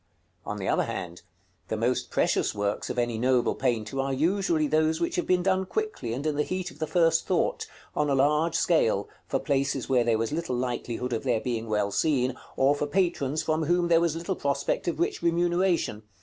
§ CXXXVII. On the other hand, the most precious works of any noble painter are usually those which have been done quickly, and in the heat of the first thought, on a large scale, for places where there was little likelihood of their being well seen, or for patrons from whom there was little prospect of rich remuneration.